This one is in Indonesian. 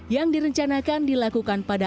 yang direncanakan dilakukan pada